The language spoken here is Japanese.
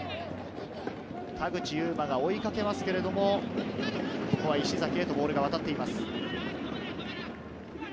田口裕真が追いかけますけれど、ここは石崎へとボールがわたっています。